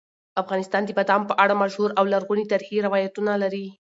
افغانستان د بادامو په اړه مشهور او لرغوني تاریخي روایتونه لري.